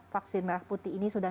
vaksin merah putih ini sudah